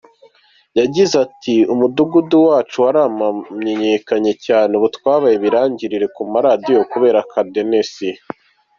Yagize ati “Umudugudu wacu waramenyekanye cyane, ubu twabaye ibirangirire ku maradiyo kubera Kadenesi.